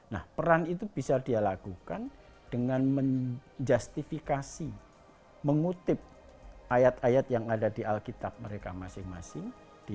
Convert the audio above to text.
nah peran itu bisa dia lakukan dengan menjustifikasi mengutip ayat ayat yang ada di alkitab mereka masing masing